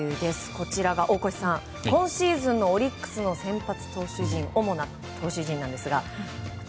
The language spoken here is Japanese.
こちらが大越さん、今シーズンのオリックスの先発投手陣